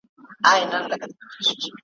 له غزني تر فارس